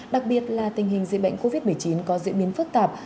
đặc biệt là tình hình dịch bệnh covid một mươi chín có diễn biến phức tạp